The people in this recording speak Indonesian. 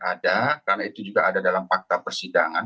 ada karena itu juga ada dalam fakta persidangan